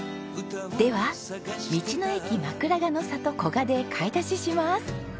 では道の駅まくらがの里こがで買い出しします！